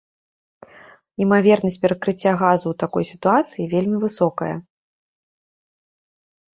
Імавернасць перакрыцця газу ў такой сітуацыі вельмі высокая.